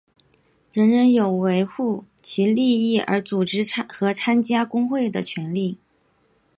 人人有为维护其利益而组织和参加工会的权利。